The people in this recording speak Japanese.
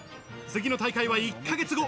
次の大会は１ヶ月後。